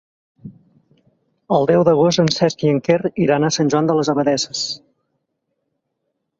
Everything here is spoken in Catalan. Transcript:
El deu d'agost en Cesc i en Quer iran a Sant Joan de les Abadesses.